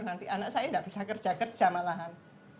nanti anak saya tidak bisa kerja kerja malahan